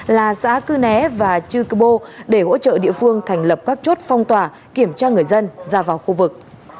là xã cư né và chư cơ bô để hỗ trợ địa phương thành lập các chốt phong tỏa kiểm tra người dân ra vào khu vực